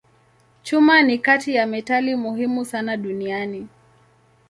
Chuma ni kati ya metali muhimu sana duniani.